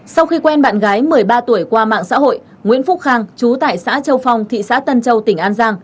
sau khi quen bạn gái một mươi ba tuổi qua mạng xã hội nguyễn phúc khang chú tại xã châu phong thị xã tân châu tỉnh an giang